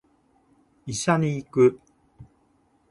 医者に行く